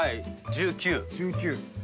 １９。